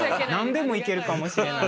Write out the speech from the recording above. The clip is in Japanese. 何でもいけるかもしれない。